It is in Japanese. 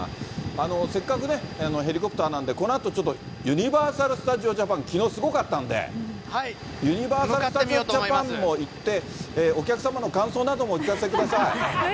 せっかくね、ヘリコプターなんで、このあとちょっと、ユニバーサル・スタジオ・ジャパン、きのうすごかったんで、ユニバーサル・スタジオ・ジャパンも行って、お客様の感想などもお聞かせください。